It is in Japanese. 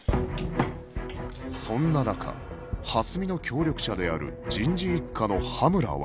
そんな中蓮見の協力者である人事一課の羽村は